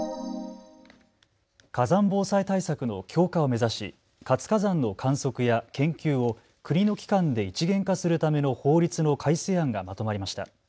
火山防災対策の強化を目指し活火山の観測や研究を国の機関で一元化するための法律の改正案がまとまりました。